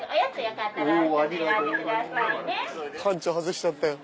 班長外しちゃったよ。